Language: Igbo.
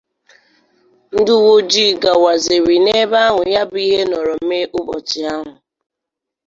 Ndị uweojii gakwazịrị n'ebe ahụ ya bụ ihe nọrọ mee ụbọchị ahụ